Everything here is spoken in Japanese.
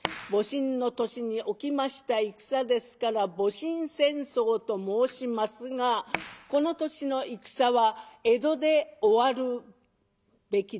戊辰の年に起きました戦ですから戊辰戦争と申しますがこの年の戦は江戸で終わるべきでした。